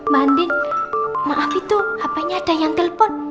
ma andin maaf itu hapenya ada yang telepon